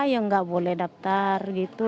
ya nggak boleh daftar gitu